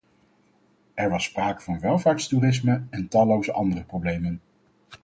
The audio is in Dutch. Er was sprake van welvaartstoerisme en talloze andere problemen.